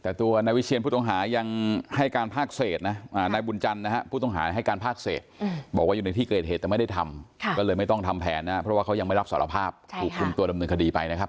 เอามึงมันก็ไม่เหลือดเพราะฉันคุมยาบาลมึงมันก็ไม่เหลือด